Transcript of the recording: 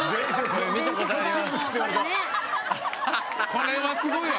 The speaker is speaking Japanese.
「これはすごいわ」